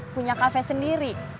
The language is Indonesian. punya kafe sendiri